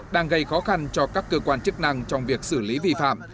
đang gây khó khăn cho các cơ quan chức năng trong việc xử lý vi phạm